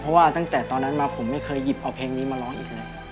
เพราะว่าตั้งแต่ตอนนั้นมาผมไม่เคยหยิบเอาเพลงนี้มาร้องอีกเลย